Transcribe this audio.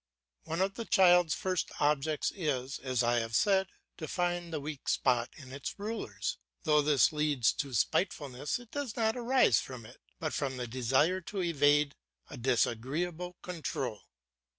One of the child's first objects is, as I have said, to find the weak spots in its rulers. Though this leads to spitefulness, it does not arise from it, but from the desire to evade a disagreeable control.